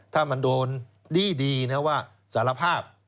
ถ้ามันโดนดี้ดีนะว่าสารภาพ